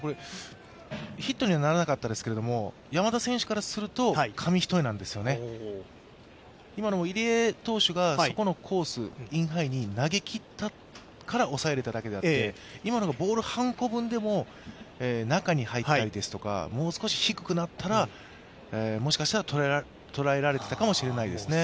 ヒットにはならなかったですけど、山田選手からすると紙一重なんですよね、今のも入江投手、インハイに投げきったから抑えられただけで今のがボール半個分でも中に入ったり、もう少し低くなったら、もしかしたら捉えられていたかもしれないですね。